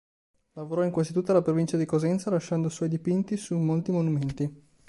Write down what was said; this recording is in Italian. Lavorò in quasi tutta la Provincia di Cosenza lasciando suoi dipinti su molti monumenti.